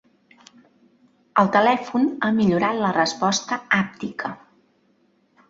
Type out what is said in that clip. El telèfon ha millorat la resposta hàptica.